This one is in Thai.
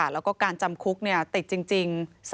แล้วก็การจำคุกติดจริง